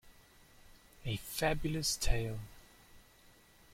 A fabulous tale.